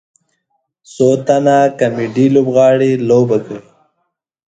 څو تنه کامیډي لوبغاړي لوبه کوي.